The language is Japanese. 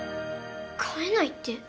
飼えないって？